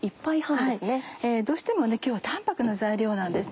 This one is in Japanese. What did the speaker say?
どうしてもね今日は淡白な材料なんです。